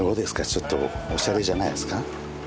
ちょっとオシャレじゃないですか？